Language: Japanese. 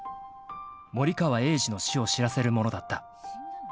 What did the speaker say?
［森川栄治の死を知らせるものだった］